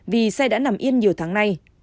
vì xe đã nằm yên nhiều tháng nay